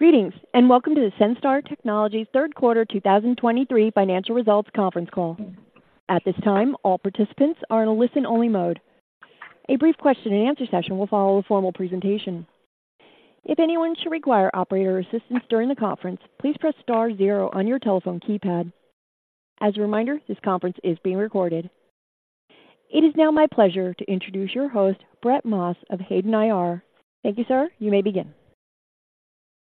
Greetings, and welcome to the Senstar Technologies third quarter 2023 financial results conference call. At this time, all participants are in a listen-only mode. A brief question and answer session will follow a formal presentation. If anyone should require operator assistance during the conference, please press star zero on your telephone keypad. As a reminder, this conference is being recorded. It is now my pleasure to introduce your host, Brett Maas, of Hayden IR. Thank you, sir. You may begin.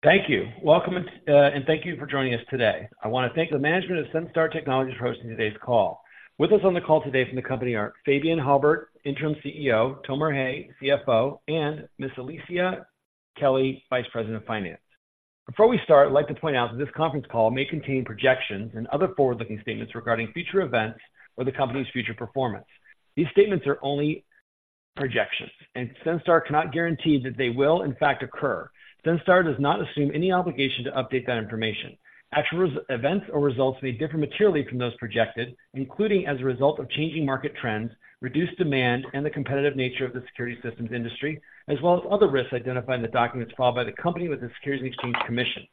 Thank you. Welcome, and thank you for joining us today. I want to thank the management of Senstar Technologies for hosting today's call. With us on the call today from the company are Fabien Haubert, Interim CEO, Tomer Hay, CFO, and Miss Alicia Kelly, Vice President of Finance. Before we start, I'd like to point out that this conference call may contain projections and other forward-looking statements regarding future events or the company's future performance. These statements are only projections, and Senstar cannot guarantee that they will in fact occur. Senstar does not assume any obligation to update that information. Actual events or results may differ materially from those projected, including as a result of changing market trends, reduced demand, and the competitive nature of the security systems industry, as well as other risks identified in the documents followed by the company with the Securities and Exchange Commission.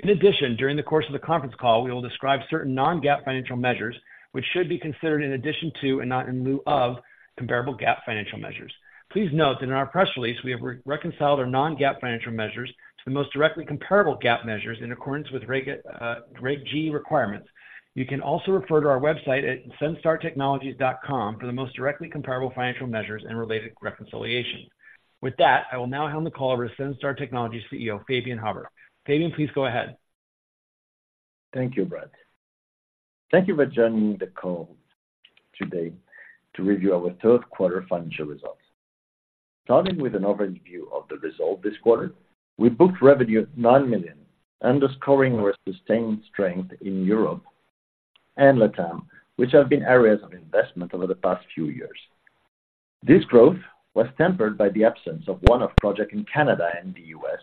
In addition, during the course of the conference call, we will describe certain non-GAAP financial measures, which should be considered in addition to, and not in lieu of, comparable GAAP financial measures. Please note that in our press release, we have re-reconciled our non-GAAP financial measures to the most directly comparable GAAP measures in accordance with Reg G requirements. You can also refer to our website at senstartechnologies.com for the most directly comparable financial measures and related reconciliation. With that, I will now hand the call over to Senstar Technologies' CEO, Fabien Haubert. Fabien, please go ahead. Thank you, Brett. Thank you for joining the call today to review our third quarter financial results. Starting with an overview of the results this quarter, we booked revenue at $9 million, underscoring our sustained strength in Europe and LATAM, which have been areas of investment over the past few years. This growth was tempered by the absence of one-off project in Canada and the U.S.,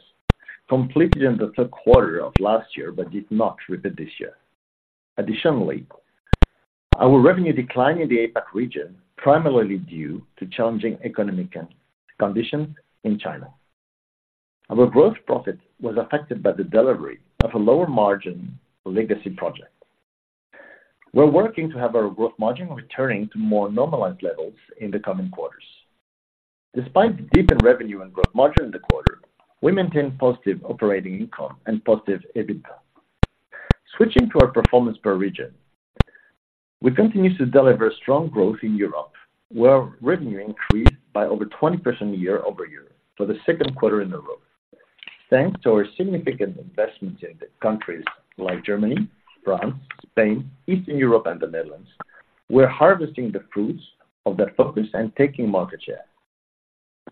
completed in the third quarter of last year, but did not repeat this year. Additionally, our revenue declined in the APAC region, primarily due to challenging economic conditions in China. Our gross profit was affected by the delivery of a lower margin legacy project. We're working to have our gross margin returning to more normalized levels in the coming quarters. Despite the dip in revenue and gross margin in the quarter, we maintained positive operating income and positive EBITDA. Switching to our performance per region, we continue to deliver strong growth in Europe, where revenue increased by over 20% year-over-year for the second quarter in a row. Thanks to our significant investment in the countries like Germany, France, Spain, Eastern Europe, and the Netherlands, we're harvesting the fruits of that focus and taking market share.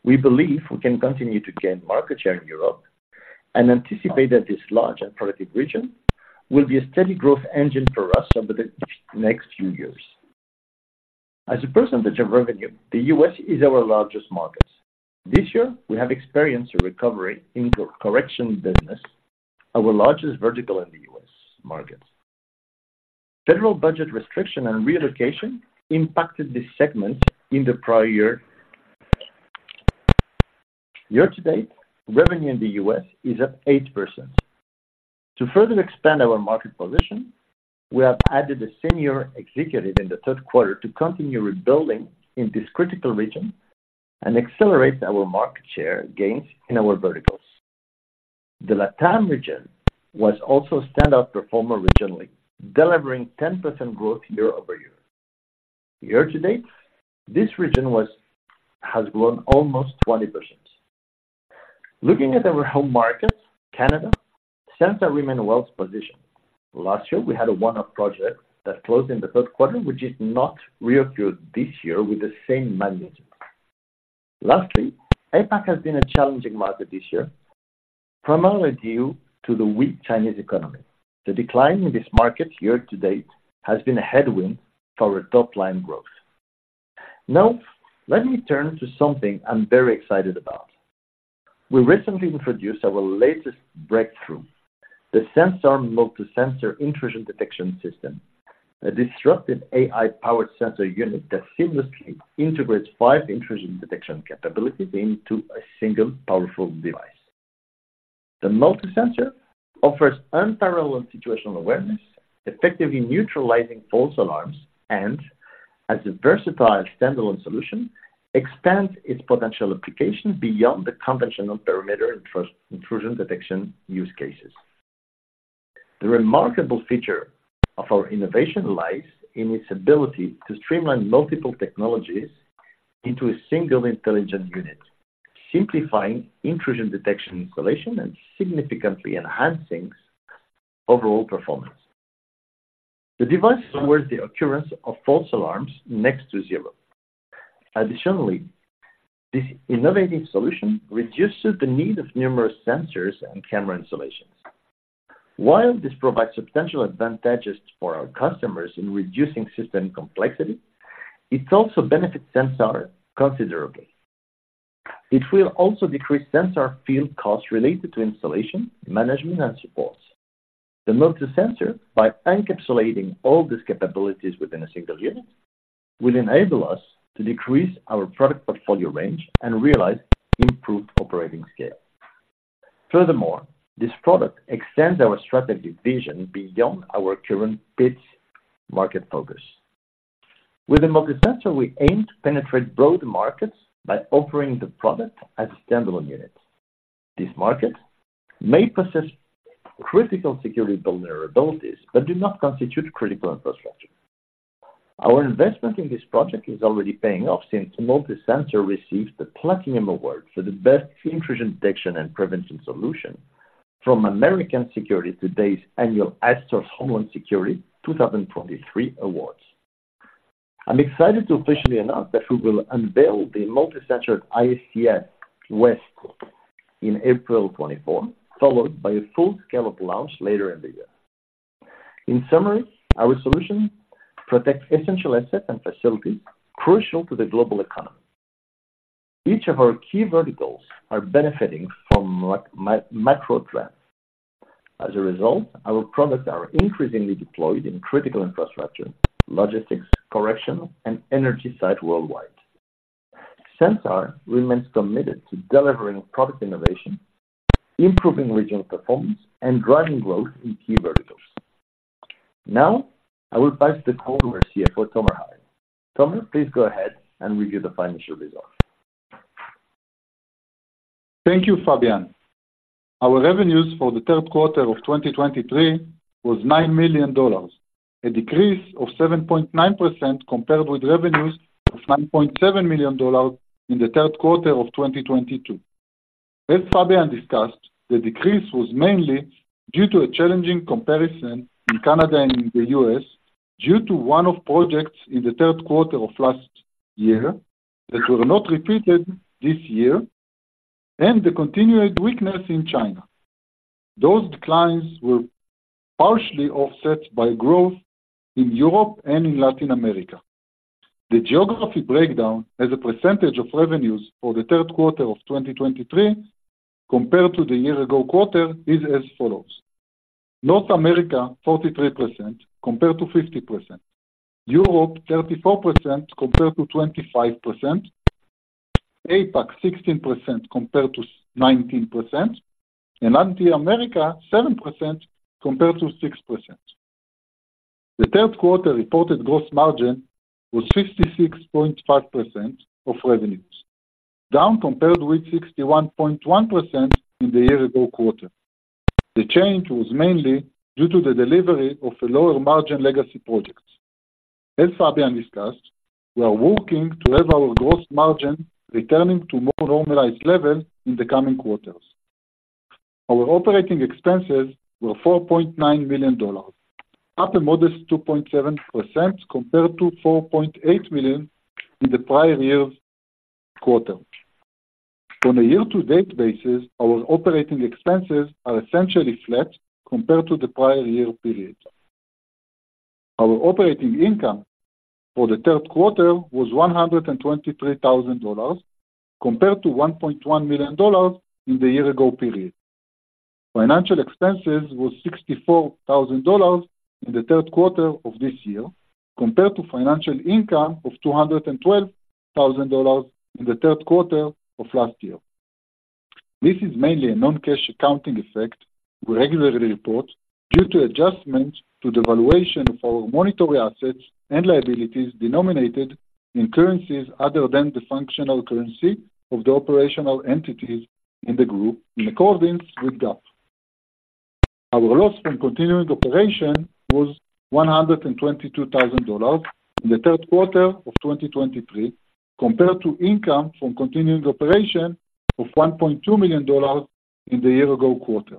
We believe we can continue to gain market share in Europe and anticipate that this large and productive region will be a steady growth engine for us over the next few years. As a percentage of revenue, the U.S. is our largest market. This year, we have experienced a recovery in correction business, our largest vertical in the U.S. market. Federal budget restriction and relocation impacted this segment in the prior year. Year-to-date, revenue in the U.S. is up 8%. To further expand our market position, we have added a senior executive in the third quarter to continue rebuilding in this critical region and accelerate our market share gains in our verticals. The LATAM region was also a standout performer regionally, delivering 10% growth year-over-year. Year-to-date, this region has grown almost 20%. Looking at our home market, Canada, Senstar remain well positioned. Last year, we had a one-off project that closed in the third quarter, which did not reoccur this year with the same magnitude. Lastly, APAC has been a challenging market this year, primarily due to the weak Chinese economy. The decline in this market year to date has been a headwind for our top-line growth. Now, let me turn to something I'm very excited about. We recently introduced our latest breakthrough, the Senstar MultiSensor Intrusion Detection System, a disruptive AI-powered sensor unit that seamlessly integrates five intrusion detection capabilities into a single powerful device. The MultiSensor offers unparalleled situational awareness, effectively neutralizing false alarms, and as a versatile standalone solution, expands its potential application beyond the conventional perimeter intrusion detection use cases. The remarkable feature of our innovation lies in its ability to streamline multiple technologies into a single intelligent unit, simplifying intrusion detection correlation and significantly enhancing overall performance. The device lowers the occurrence of false alarms next to zero. Additionally, this innovative solution reduces the need of numerous sensors and camera installations. While this provides substantial advantages for our customers in reducing system complexity, it also benefits Senstar considerably. It will also decrease Senstar field costs related to installation, management, and support... The MultiSensor, by encapsulating all these capabilities within a single unit, will enable us to decrease our product portfolio range and realize improved operating scale. Furthermore, this product extends our strategic vision beyond our current PIDS market focus. With the MultiSensor, we aim to penetrate broad markets by offering the product as a standalone unit. These markets may possess critical security vulnerabilities, but do not constitute critical infrastructure. Our investment in this project is already paying off since MultiSensor received the Platinum Award for the best intrusion detection and prevention solution from American Security Today’s annual ASTOR Homeland Security 2023 Awards. I’m excited to officially announce that we will unveil the MultiSensor at ISC West in April 2024, followed by a full-scale launch later in the year. In summary, our solution protects essential assets and facilities crucial to the global economy. Each of our key verticals are benefiting from macro trends. As a result, our products are increasingly deployed in critical infrastructure, logistics, correctional, and energy site worldwide. Senstar remains committed to delivering product innovation, improving regional performance, and driving growth in key verticals. Now, I will pass the call over CFO, Tomer Hay. Tomer, please go ahead and review the financial results. Thank you, Fabien. Our revenues for the third quarter of 2023 was $9 million, a decrease of 7.9% compared with revenues of $9.7 million in the third quarter of 2022. As Fabien discussed, the decrease was mainly due to a challenging comparison in Canada and in the U.S., due to one-off projects in the third quarter of last year that were not repeated this year, and the continued weakness in China. Those declines were partially offset by growth in Europe and in Latin America. The geography breakdown as a percentage of revenues for the third quarter of 2023 compared to the year ago quarter is as follows: North America, 43% compared to 50%, Europe 34% compared to 25%, APAC 16% compared to 19%, and Latin America 7% compared to 6%. The third quarter reported gross margin was 66.5% of revenues, down compared with 61.1% in the year ago quarter. The change was mainly due to the delivery of a lower margin legacy project. As Fabien discussed, we are working to have our gross margin returning to more normalized levels in the coming quarters. Our operating expenses were $4.9 million, up a modest 2.7% compared to $4.8 million in the prior year's quarter. On a year-to-date basis, our operating expenses are essentially flat compared to the prior year period. Our operating income for the third quarter was $123,000, compared to $1.1 million in the year ago period. Financial expenses was $64,000 in the third quarter of this year, compared to financial income of $212,000 in the third quarter of last year. This is mainly a non-cash accounting effect we regularly report due to adjustments to the valuation of our monetary assets and liabilities denominated in currencies other than the functional currency of the operational entities in the group, in accordance with GAAP. Our loss from continuing operation was $122,000 in the third quarter of 2023, compared to income from continuing operation of $1.2 million in the year ago quarter.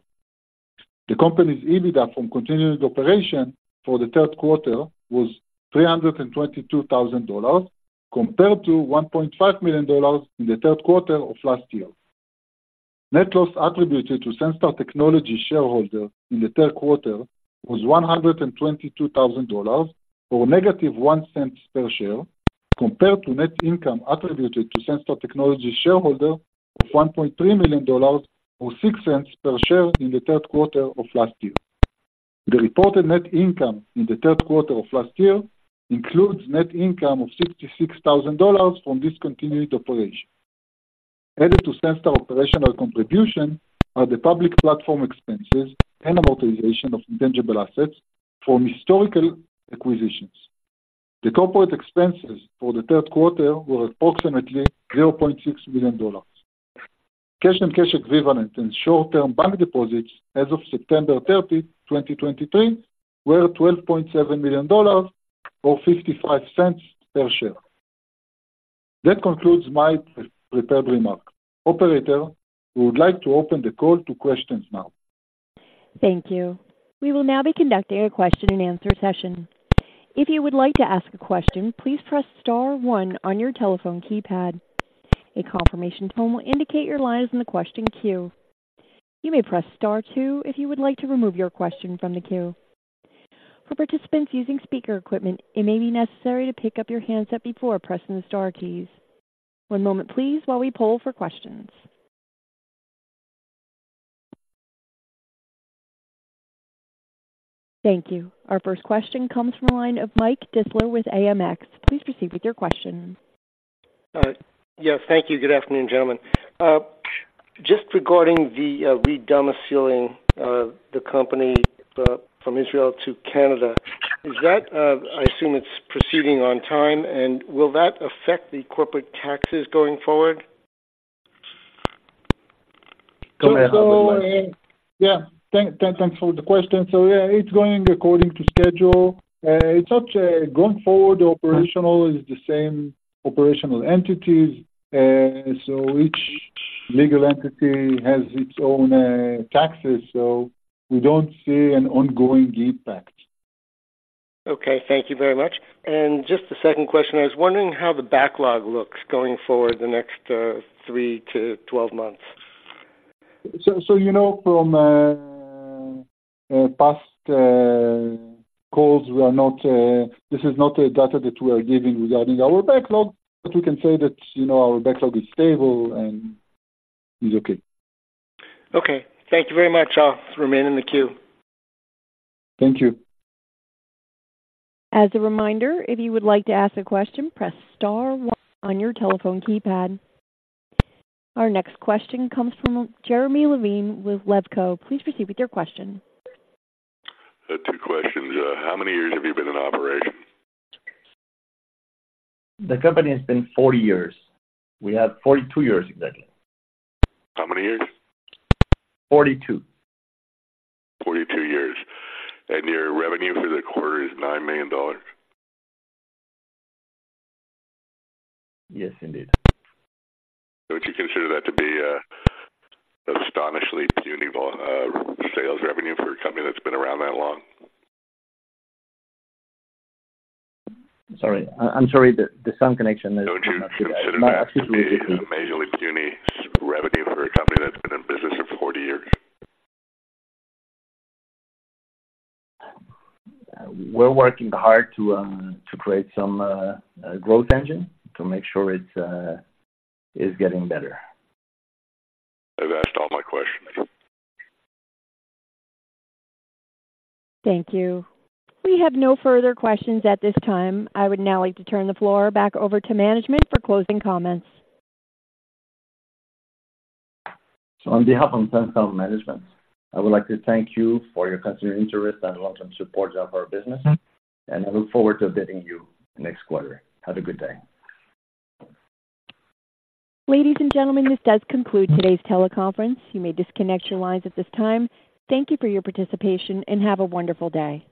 The company's EBITDA from continuing operation for the third quarter was $322,000, compared to $1.5 million in the third quarter of last year. Net loss attributed to Senstar Technologies shareholder in the third quarter was $122,000, or -$0.01 per share, compared to net income attributed to Senstar Technologies shareholder of $1.3 million, or $0.06 per share in the third quarter of last year. The reported net income in the third quarter of last year includes net income of $66,000 from discontinued operations. Added to Senstar operational contribution are the public platform expenses and amortization of intangible assets from historical acquisitions. The corporate expenses for the third quarter were approximately $0.6 million. Cash and cash equivalents and short-term bank deposits as of September 30, 2023, were $12.7 million, or $0.55 per share. That concludes my prepared remarks. Operator, we would like to open the call to questions now. Thank you. We will now be conducting a question and answer session. If you would like to ask a question, please press star one on your telephone keypad. A confirmation tone will indicate your line is in the question queue. You may press star two if you would like to remove your question from the queue.... For participants using speaker equipment, it may be necessary to pick up your handset before pressing the star keys. One moment please while we poll for questions. Thank you. Our first question comes from the line of Mike Distler with AMX. Please proceed with your question. Yeah, thank you. Good afternoon, gentlemen. Just regarding the re-domiciling of the company from Israel to Canada, is that, I assume, it's proceeding on time, and will that affect the corporate taxes going forward? Go ahead. So, yeah. Thanks for the question. So yeah, it's going according to schedule. It's not going forward, the operational is the same operational entities. So each legal entity has its own taxes. So we don't see an ongoing impact. Okay. Thank you very much. Just the second question, I was wondering how the backlog looks going forward the next three to 12 months? So, you know, from past calls, we are not, this is not data that we are giving regarding our backlog, but we can say that, you know, our backlog is stable and is okay. Okay. Thank you very much. I'll remain in the queue. Thank you. As a reminder, if you would like to ask a question, press star one on your telephone keypad. Our next question comes from Jeremy Levine with Levco. Please proceed with your question. I have two questions. How many years have you been in operation? The company has been 40 years. We have 42 years, exactly. How many years? 42. 42 years. Your revenue for the quarter is $9 million? Yes, indeed. Don't you consider that to be, astonishingly puny, sales revenue for a company that's been around that long? Sorry, I'm sorry, the sound connection is- Don't you consider that to be a majorly puny revenue for a company that's been in business for 40 years? We're working hard to create some growth engine to make sure it is getting better. I've asked all my questions. Thank you. We have no further questions at this time. I would now like to turn the floor back over to management for closing comments. On behalf of management, I would like to thank you for your continued interest and long-term support of our business, and I look forward to updating you next quarter. Have a good day. Ladies and gentlemen, this does conclude today's teleconference. You may disconnect your lines at this time. Thank you for your participation, and have a wonderful day.